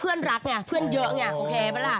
พี่หนิงมาบ่อยนะคะชอบเห็นมั้ยดูมีสาระหน่อย